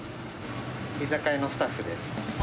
居酒屋のスタッフです。